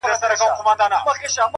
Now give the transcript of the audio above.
نسه نه وو نېمچه وو ستا د درد په درد _